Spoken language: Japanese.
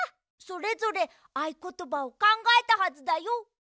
それぞれあいことばをかんがえたはずだよ。